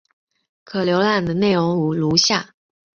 可浏览的内容如下。